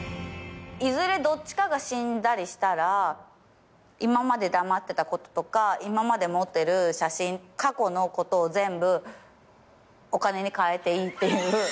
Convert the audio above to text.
いずれどっちかが死んだりしたら今まで黙ってたこととか今まで持ってる写真過去のことを全部お金に換えていいっていう。